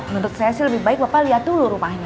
menurut saya sih lebih baik bapak lihat dulu rumahnya